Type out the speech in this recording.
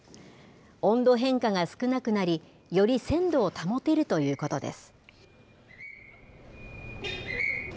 温度変化が少なくなり、より鮮度を保てるということです。